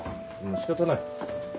仕方ない。